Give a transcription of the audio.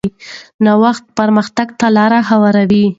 نوښت پرمختګ ته لار هواروي.